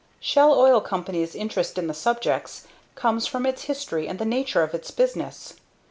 Shell Oil Company's interest in the subjects comes from its history and the nature of its business.